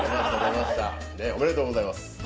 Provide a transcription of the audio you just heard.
おめでとうございます。